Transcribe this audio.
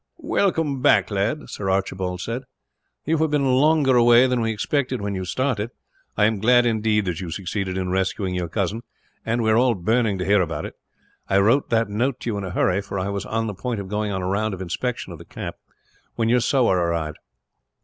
"Welcome back, lad!" Sir Archibald said. "You have been longer away than we expected, when you started. I am glad, indeed, that you succeeded in rescuing your cousin; and we are all burning to hear about it. I wrote that note to you in a hurry, for I was on the point of going on a round of inspection of the camp, when your sowar arrived.